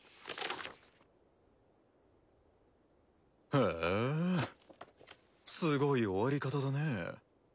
へぇすごい終わり方だね。